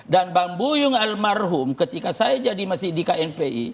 dan bang buyung almarhum ketika saya jadi masih di knpi